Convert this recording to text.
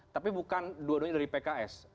tapi bukan dua duanya dari pks